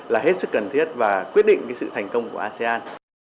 là hết sức cần thiết và quyết định cái sự thành công của asean